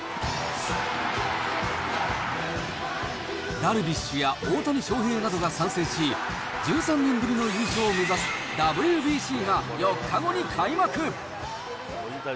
ダルビッシュや大谷翔平などが参戦し、１３年ぶりの優勝を目指すＷＢＣが４日後に開幕。